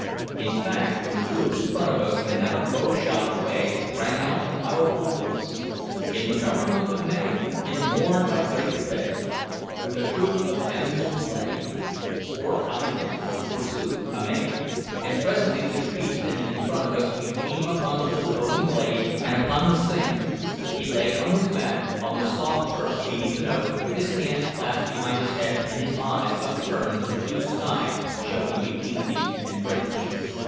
In fact, from the woods in front of us, and not a bowshot away, rang out a powerful voice: "'In the merry month of May, In a morn by break of day, With a troop of damsels playing Forth I went, forsooth, a maying;'" and presently, the trees thinning in front of us, we came upon a little open glade and upon the singer. He lay on his back, on the soft turf beneath an oak, with his hands clasped behind his head and his eyes upturned to the blue sky showing between leaf and branch.